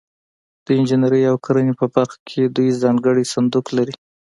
د انجنیري او کرنې په برخه کې دوی ځانګړی صندوق لري.